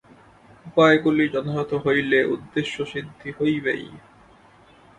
উপায়গুলি যথাযথ হইলে উদ্দেশ্যসিদ্ধি হইবেই।